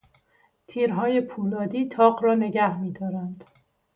تیرهای پولادی تاق را نگه میدارند.